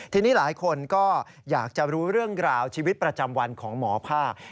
ทีนี้หลายคนก็อยากจะรู้เรื่องราวชีวิตประจำวันของหมอภาค